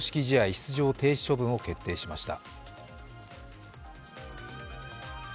出場停止処分を決定しました。